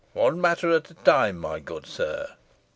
One matter at a time, my good sir."